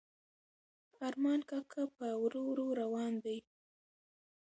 ارمان کاکا په ورو ورو روان دی.